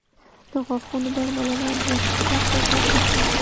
• د غاښونو درملنه د ښه صحت نښه ده.